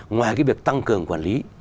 ngoài cái việc tăng cường quản lý